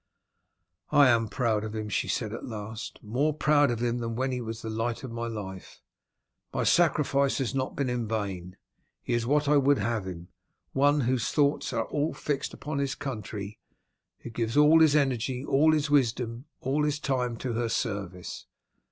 "I am proud of him," she said at last; "more proud of him than when he was the light of my life. My sacrifice has not been in vain. He is what I would have him. One whose thoughts are all fixed upon his country; who gives all his energy, all his wisdom, all his time to her service.